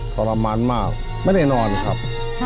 ทรมานมากไม่ได้นอนครับ